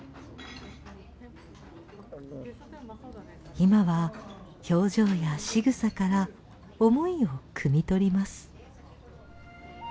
今は表情やしぐさから思いをくみ取ります。